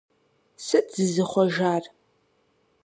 Сыт зызыхъуэжар?